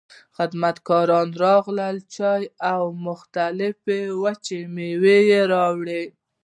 خدمتګاران راغلل، چای او مختلفې وچې مېوې يې راوړې.